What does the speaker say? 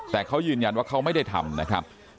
แต่เขายืนยันว่าเขาไม่ได้ทำนะครับ